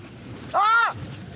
あっ！